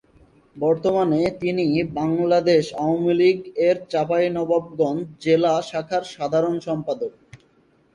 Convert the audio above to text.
বর্তমানে তিনি বাংলাদেশ আওয়ামী লীগ-এর চাঁপাইনবাবগঞ্জ জেলা শাখার সাধারণ সম্পাদক।